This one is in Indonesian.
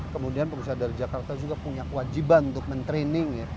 kemudian pengusaha dari jakarta juga punya kewajiban untuk men training